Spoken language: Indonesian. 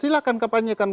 silahkan kampanyekan kami